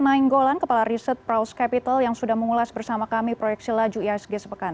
maing golan kepala riset proust capital yang sudah mengulas bersama kami proyeksi laju iasg sepekan